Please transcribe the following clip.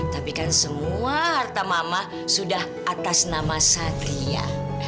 tapi kan semua harta mama sudah atas nama satria